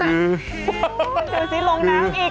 ดูสิลงน้ำอีก